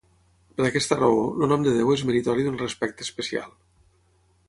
Per aquesta raó, el nom de Déu és meritori d'un respecte especial.